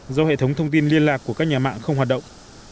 do hệ thống thông tin liên lạc của các nhà mạng không hoạt động